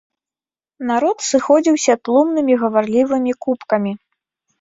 Народ сыходзіўся тлумнымі гаварлівымі купкамі.